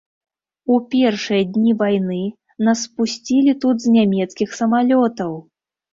У першыя дні вайны нас спусцілі тут з нямецкіх самалётаў.